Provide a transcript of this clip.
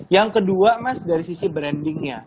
yang kedua mas dari sisi brandingnya